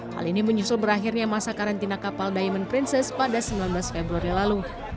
hal ini menyusul berakhirnya masa karantina kapal diamond princess pada sembilan belas februari lalu